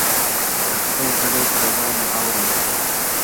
• د خپل زړه درزا مي اورم -